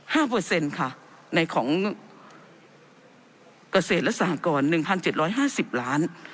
เปอร์เซ็นต์ค่ะในของเกษตรและสหกรหนึ่งพันเจ็ดร้อยห้าสิบล้าน